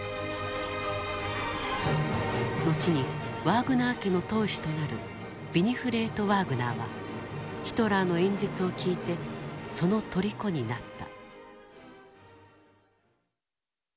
後にワーグナー家の当主となるヴィニフレート・ワーグナーはヒトラーの演説を聞いてその虜になった。